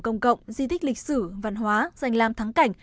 công cộng di tích lịch sử văn hóa danh lam thắng cảnh